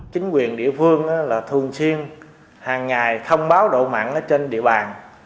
chính quyền địa phương là thường xuyên hàng ngày thông báo độ mặn trên địa bàn